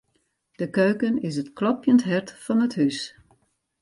De keuken is it klopjend hart fan it hús.